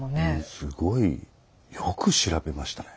すごい。よく調べましたねぇ。